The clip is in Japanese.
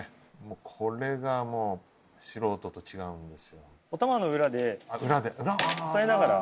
これがもう素人と違うんですよ